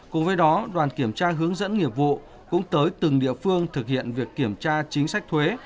cùng với đó đoàn kiểm tra hướng dẫn nghiệp vụ cũng tới từng địa phương thực hiện việc kiểm tra chính sách thuế